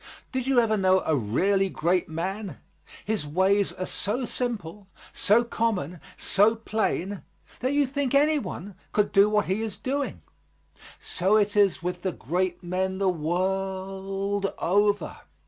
Did you ever know a really great man? His ways are so simple, so common, so plain, that you think any one could do what he is doing. So it is with the great men the world over.